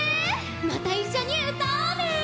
またいっしょにうたおうね。